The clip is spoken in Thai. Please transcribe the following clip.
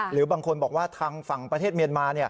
หรือบางคนบอกว่าทางฝั่งประเทศเมียนมา